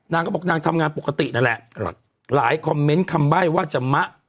นางก็บอกนางทำงานปกตินั่นแหละหลายคอมเมนต์คำใบ้ว่าจะมะ